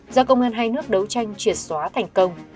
do công an hai nước đấu tranh triệt xóa thành công